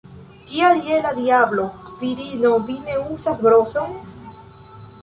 Kial je la diablo, virino, vi ne uzas broson?